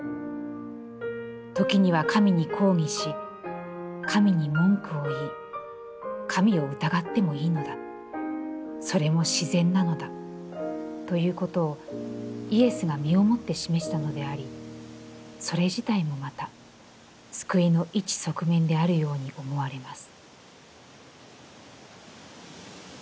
時には神に抗議し、神に文句を言い、神を疑ってもいいのだ、それも自然なのだ、ということをイエスが身をもって示したのであり、それ自体もまた救いの一側面であるように思われます」。